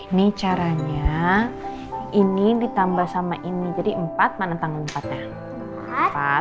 ini caranya ini ditambah sama ini jadi empat mana tangan empat nya